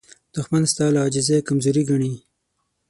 دښمن ستا له عاجزۍ کمزوري ګڼي